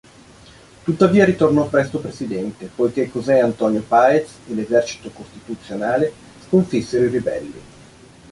Tuttavia ritornò presto presidente poiché José Antonio Páez e l'esercito costituzionale sconfissero i ribelli.